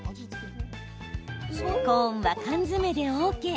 コーンは缶詰でＯＫ。